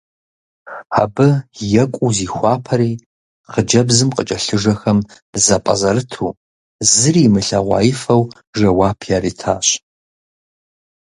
Абы екӀуу зихуапэри, хъыджэбзым къыкӀэлъыжэхэм зэпӀэзэрыту, зыри имылъэгъуаифэу жэуап яритащ.